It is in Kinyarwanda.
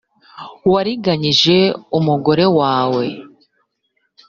wariganyije umugore wawe